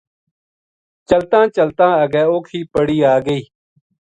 چلتاں چلتاں اگے اوکھی پڑی آ گئی